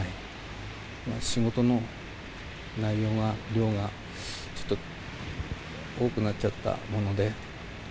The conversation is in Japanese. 仕事の内容や量がちょっと多くなっちゃったもので。